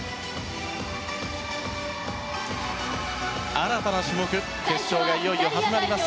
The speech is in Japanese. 新たな種目決勝がいよいよ始まります。